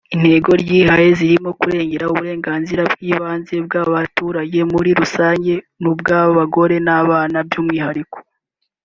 Intego ryihaye zirimo kurengera uburenganzira bw’ibanze bw’abaturage muri rusange n’ubw’abagore n’abana by’umwihariko